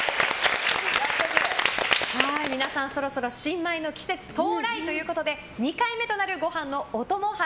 皆さん、そろそろ新米の季節到来ということで２回目となるご飯のお供杯。